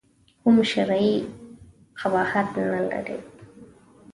کوم شرعي قباحت نه لري.